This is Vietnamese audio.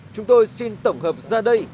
chúng tôi xin tổng hợp ra đây